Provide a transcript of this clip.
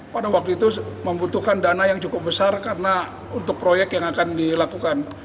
pada waktu itu membutuhkan dana yang cukup besar karena untuk proyek yang akan dilakukan